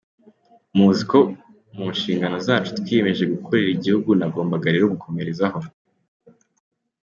Muzi ko mu nshingano zacu twiyemeje gukorera igihugu nagombaga rero gukomerezaho.